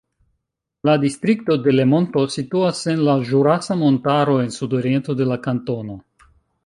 La Distrikto Delemonto situas en la Ĵurasa Montaro en sudoriento de la kantono.